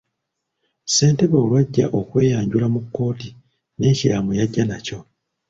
Ssentebe olwajja okweyanjula mu kkooti n'ekiraamo yajja nakyo.